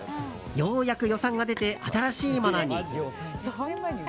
ようやく予算が出て新しいものに。